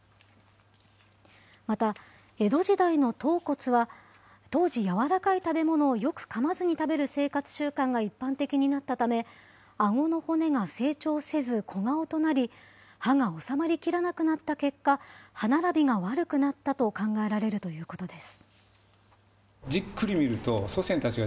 また、江戸時代の頭骨は、当時、やわらかい食べ物をよくかまずに食べる生活習慣が一般的になったため、あごの骨が成長せず小顔となり、歯が収まりきらなくなった結果、歯並びが悪くなったと考えられるということです。